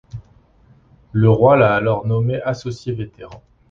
Le Roi l'a alors nommé associé vétéran.